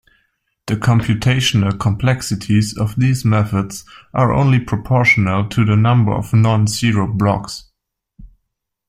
The computational complexities of these methods are only proportional to the number of non-zero blocks.